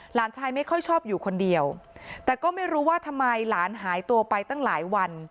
หลานชายไม่ค่อยชอบอยู่คนเดียวแต่ก็ไม่รู้ว่าทำไมหลานหายตัวไปตั้งหลายวัน